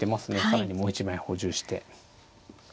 更にもう一枚補充して。